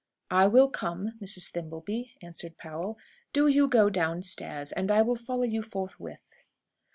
"I will come, Mrs. Thimbleby," answered Powell. "Do you go downstairs, and I will follow you forthwith."